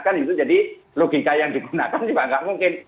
kan itu jadi logika yang digunakan juga nggak mungkin